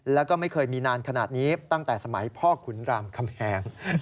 แล้วก็ไม่เคยมีนานขนาดนี้ตั้งแต่สมัยพ่อขุนรามคำแหง